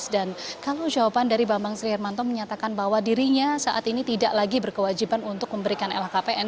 kalau jawaban dari bambang sri hermanto menyatakan bahwa dirinya saat ini tidak lagi berkewajiban untuk memberikan lhkpn